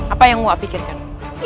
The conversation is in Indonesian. apa yang wak pikirkan